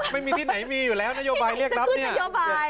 ไม่มีที่ไหนมีอยู่แล้วนโยบายเรียกรับเนี่ย